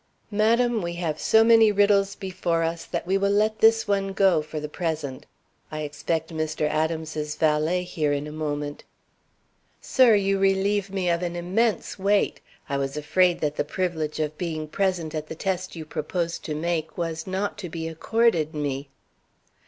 "Madam, we have so many riddles before us that we will let this one go for the present. I expect Mr. Adams's valet here in a moment." "Sir, you relieve me of an immense weight. I was afraid that the privilege of being present at the test you propose to make was not to be accorded me."